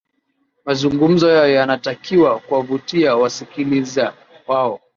mazungumzo yao yanatakiwa kuwavutia wasikiliza wao